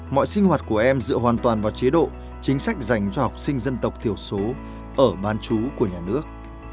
mọi sinh hoạt của em dựa hoàn toàn vào chế độ chính sách dành cho học sinh dân tộc thiểu số ở bán chú của nhà nước